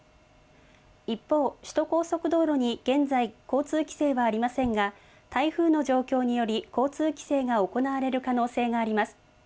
一方、首都高速道路に現在、交通規制はありませんが台風の状況により交通規制が行われる可能性があります。